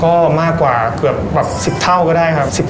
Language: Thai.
ก็มากกว่าเกือบ๑อันที่๒๐เท่าก็ได้ครับ